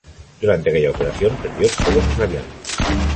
Durante aquella operación perdió todo sus aviones.